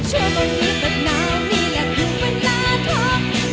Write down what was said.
ชื่อมันมีตอนหนาวมีอยากทิ้งเวลาทบ